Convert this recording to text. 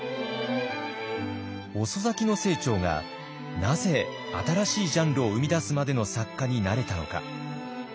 遅咲きの清張がなぜ新しいジャンルを生み出すまでの作家になれたのか。